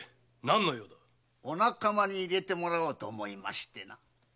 お仲間に入れてもらおうと思いましてな。